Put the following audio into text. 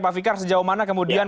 pak fikar sejauh mana kemudian